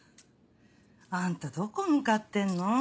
あんたどこ向かってんの？